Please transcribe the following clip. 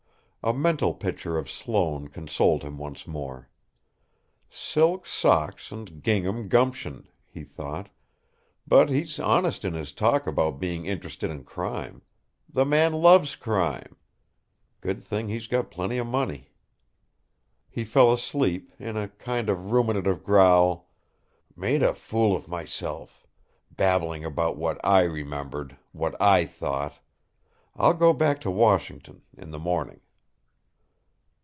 A mental picture of Sloane consoled him once more. "Silk socks and gingham gumption!" he thought. "But he's honest in his talk about being interested in crime. The man loves crime! Good thing he's got plenty of money." He fell asleep, in a kind of ruminative growl: "Made a fool of myself babbling about what I remembered what I thought! I'll go back to Washington in the morning."